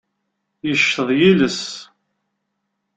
Yeceḍ yiles.